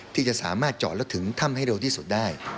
ที่จะสามารถเจาะแล้วถึงถ้ำให้เร็วที่สุดได้